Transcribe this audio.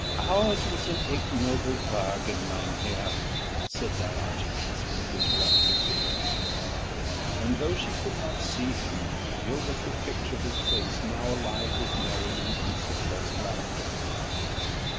"Ours was an ignoble bargain, mynheer," said Diogenes with his wonted gaiety, and though she could not see him, Gilda could picture his face now alive with merriment and suppressed laughter.